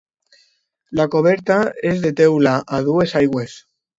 La coberta és de teula, a dues aigües.